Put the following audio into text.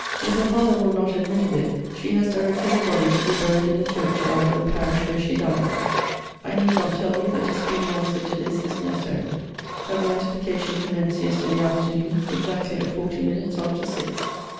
If her father will not admit of it, she has directed her body to be buried in the church yard of the parish where she died. I need not tell you, that a speedy answer to this is necessary. Her beatification commenced yesterday afternoon, exactly at forty minutes after six.